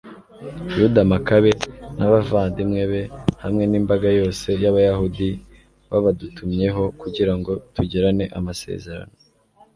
yuda makabe n'abavandimwe be hamwe n'imbaga yose y'abayahudi babadutumyeho, kugira ngo tugirane amasezerano